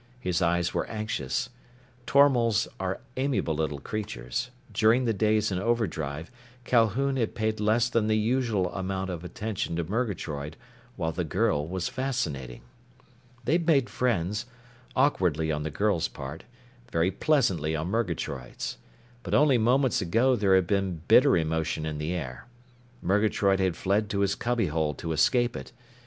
His eyes were anxious. Tormals are amiable little creatures. During the days in overdrive, Calhoun had paid less than the usual amount of attention to Murgatroyd, while the girl was fascinating. They'd made friends, awkwardly on the girl's part, very pleasantly on Murgatroyd's. But only moments ago there had been bitter emotion in the air. Murgatroyd had fled to his cubbyhole to escape it.